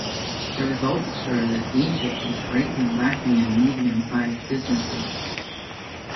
The results show that Egypt is greatly lacking in medium-sized businesses.